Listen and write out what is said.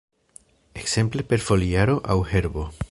Ekzemple per foliaro aŭ herbo.